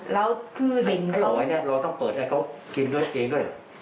แล้วคือเด็งเขาอันนี้เราต้องเปิดให้เขากินด้วยเองด้วย